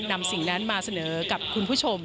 นำสิ่งนั้นมาเสนอกับคุณผู้ชม